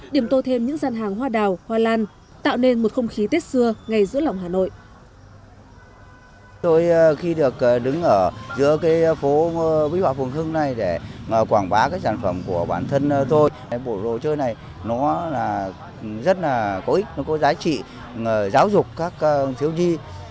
điểm tô thêm những gian hàng hoa đào hoa lan tạo nên một không khí tết xưa ngay giữa lòng hà nội